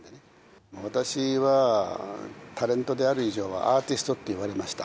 私はタレントである以上はアーティストっていわれました。